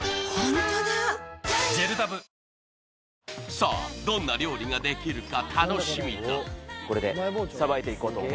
さあどんな料理ができるか楽しみだ